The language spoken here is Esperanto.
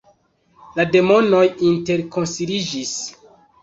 La demonoj interkonsiliĝis.